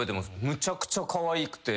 むちゃくちゃかわいくて。